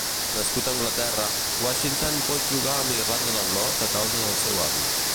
Nascut a Anglaterra, Washington pot jugar amb Irlanda del Nord a causa d'un seu avi.